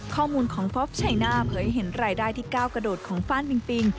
ข้อมูลของฟอล์ฟชัยหน้าเผยเห็นรายได้ที่ก้าวกระโดดของฟ่านปิงปิง